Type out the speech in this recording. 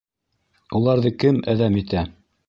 Уларҙы кем әҙәм итә?